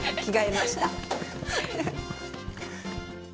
着替えました。